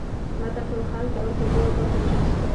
متن په خاص ډول پر دوو برخو وېشل سوی.